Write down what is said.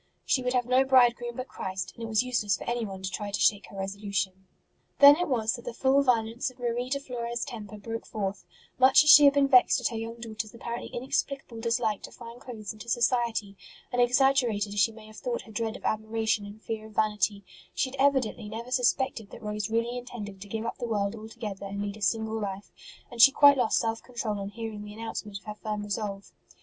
She would have no bridegroom but Christ, and it was useless for anyone to try to shake her resolution. HER VICTORY OVER VANITY 69 Then it was that the full violence of Marie de Flores temper broke forth ; much as she had been vexed at her young daughter s apparently inexplicable dislike to fine clothes and to society, and exaggerated as she may have thought her dread of admiration and fear of vanity, she had evidently never suspected that Rose really in tended to give up the world altogether and lead a single life, and she quite lost self control on hearing the announcement of her firm resolve.